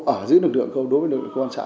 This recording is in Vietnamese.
ở dưới lực lượng công an xã